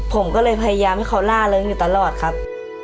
ผมก็เลยพยายามให้เขาล่าเริงอยู่ตลอดครับ